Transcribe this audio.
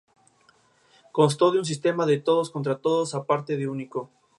Se caracterizan por tener un aporte proteínico mayor que las variantes dulces.